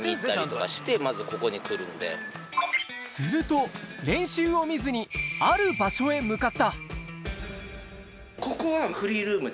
すると練習を見ずにある場所に向かった。